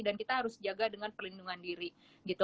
dan kita harus jaga dengan perlindungan diri gitu